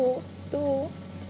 どう？